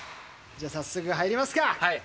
じゃあ早速入りますか。